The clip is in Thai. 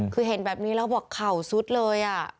คือเห็นแบบนี้แล้วบอกเข่าซุดเลย